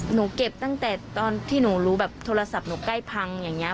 หนูเก็บตั้งแต่ตอนที่หนูรู้แบบโทรศัพท์หนูใกล้พังอย่างนี้